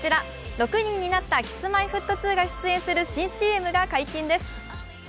６人になったＫｉｓ−Ｍｙ−Ｆｔ２が出演する新ＣＭが解禁です。